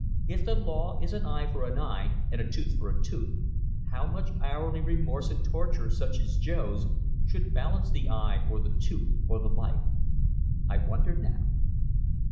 If the law is an eye for an eye and a tooth for a tooth, how much hourly remorse and torture, such as Jo's, should balance the eye or the tooth or the life? I wonder, now!"